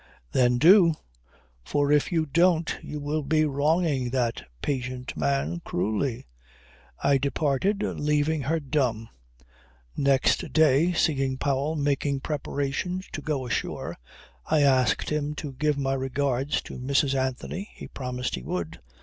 "Then do. For if you don't you will be wronging that patient man cruelly." I departed leaving her dumb. Next day, seeing Powell making preparations to go ashore, I asked him to give my regards to Mrs. Anthony. He promised he would.